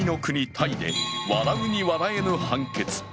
タイで笑うに笑えぬ判決。